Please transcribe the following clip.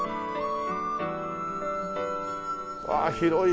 わあ広い。